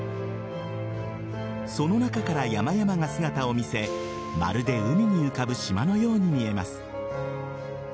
その中から山々が姿を見せまるで海に浮かぶ島のように見えます。